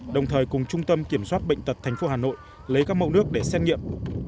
đồng thời cùng trung tâm kiểm soát bệnh tật tp hà nội lấy các mẫu nước để xét nghiệm